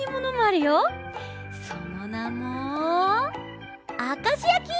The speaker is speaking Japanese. そのなもあかしやき！